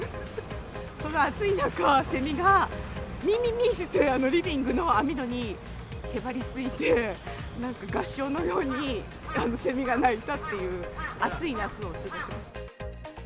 その暑い中、セミがみんみんみんってリビングの網戸にへばりついて、なんか合唱のようにセミが鳴いたっていう暑い夏を過ごしました。